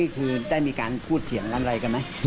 คือได้มีการพูดเถียงกันอะไรกันไหม